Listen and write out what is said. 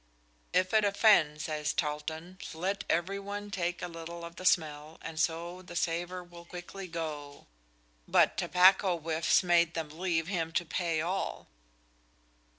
If it offend, saies Tarlton, let every one take a little of the smell, and so the savour will quickly goe: but tobacco whiffes made them leave him to pay all."